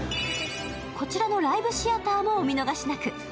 こちらのライブシアターもお見逃しなく。